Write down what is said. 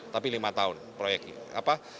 tapi lima tahun proyeknya